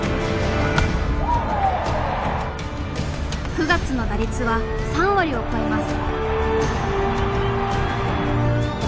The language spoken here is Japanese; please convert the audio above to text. ９月の打率は３割を超えます。